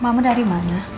mama dari mana